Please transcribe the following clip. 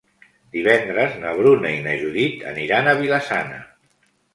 Divendres na Bruna i na Judit aniran a Vila-sana.